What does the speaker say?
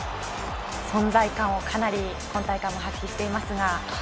存在感をかなり今大会も発揮していますが。